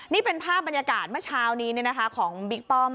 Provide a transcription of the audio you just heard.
นี่เป็นภาพบรรยากาศเมื่อเช้านี้ของบิ๊กป้อม